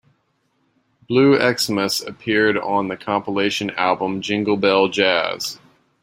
"Blue Xmas" appeared on the compilation album "Jingle Bell Jazz".